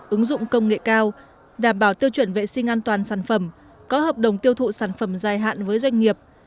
ứng dụng công nghệ cao đảm bảo tiêu chuẩn vệ sinh an toàn sản phẩm có hợp đồng tiêu thụ sản phẩm dài hạn với doanh nghiệp